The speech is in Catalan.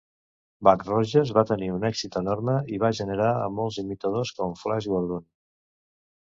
"Buck Rogers" va tenir un èxit enorme, i va generar a molts imitadors com "Flash Gordon".